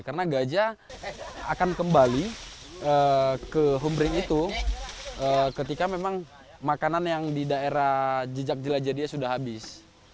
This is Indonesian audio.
karena gajah akan kembali ke humring itu ketika memang makanan yang di daerah jejak jelajah dia sudah habis